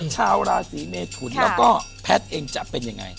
ชาวราศีเมทุนแล้วก็แพทย์เองจะเป็นยังไง